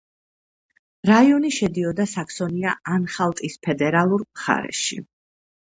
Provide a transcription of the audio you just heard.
რაიონი შედიოდა საქსონია-ანჰალტისფედერალურ მხარეში.